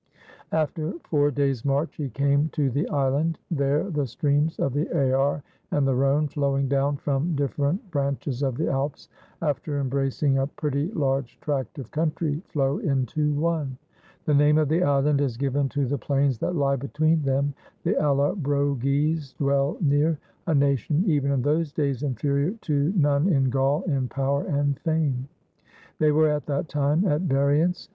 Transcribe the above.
After four days' march he came to the Island : there the streams of the Aar and the Rhone, flowing down from different branches of the Alps, after embracing a pretty large tract of country, flow into one. The name of the Island is given to the plains that lie between them. The AUobroges dwell near, a nation even in those days inferior to none in Gaul in power and fame. They were at that time at variance.